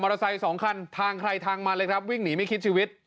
ไซค์สองคันทางใครทางมันเลยครับวิ่งหนีไม่คิดชีวิต